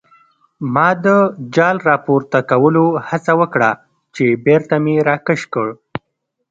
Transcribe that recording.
ما د جال راپورته کولو هڅه وکړه چې بېرته مې راکش کړ.